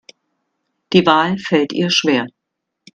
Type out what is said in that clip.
Die Wahl fällt ihr schwer.